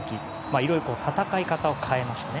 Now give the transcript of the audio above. いろいろ戦い方を変えましたね。